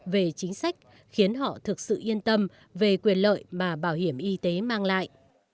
về chính sách khiến họ thực sự yên tâm về quyền lợi mà bảo hiểm y tế mang lại